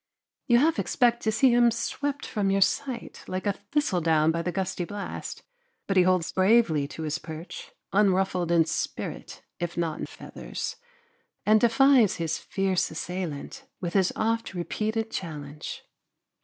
You half expect to see him swept from your sight like a thistledown by the gusty blast, but he holds bravely to his perch, unruffled in spirit if not in feathers, and defies his fierce assailant with his oft repeated challenge.